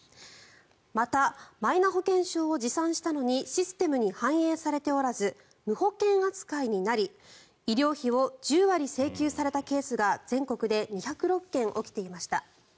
また、マイナ保険証を持参したのにシステムに反映されておらず無保険扱いになり、医療費を１０割請求されたケースが全国で２０６件起きていました。